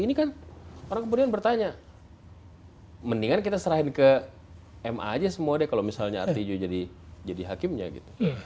ini kan orang kemudian bertanya mendingan kita serahin ke ma aja semua deh kalau misalnya artijo jadi hakimnya gitu